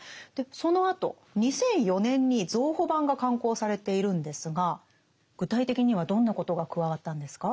そのあと２００４年に増補版が刊行されているんですが具体的にはどんなことが加わったんですか？